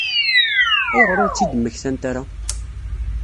Ayɣer ur tt-id-mmektant ara?